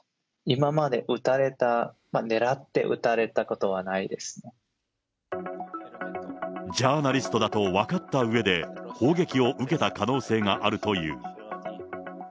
今まで撃たれた、狙って撃たれたことはないでジャーナリストだと分かったうえで、砲撃を受けた可能性があるという。